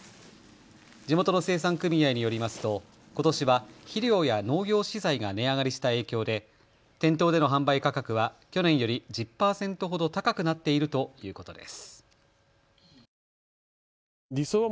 地元の生産組合によりますとことしは肥料や農業資材が値上がりした影響で店頭での販売価格は去年より１０％ほど高くなっているということです。